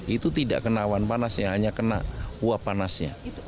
itu tidak kena awan panasnya hanya kena uap panasnya